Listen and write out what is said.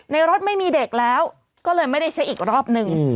รถไม่มีเด็กแล้วก็เลยไม่ได้เช็คอีกรอบนึง